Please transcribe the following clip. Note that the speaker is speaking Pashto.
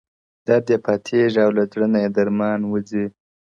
درد يې پاتېږي او له زړه نه يې درمان وځي!